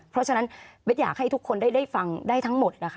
เพราะฉะนั้นเบ็ดอยากให้ทุกคนได้ฟังได้ทั้งหมดนะคะ